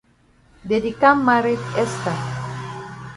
Dey di kam maret Esther.